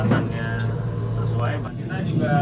nanti sudah kecepatannya sesuai